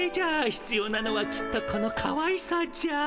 ひつようなのはきっとこのかわいさじゃ。